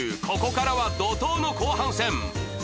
ここからは怒とうの後半戦。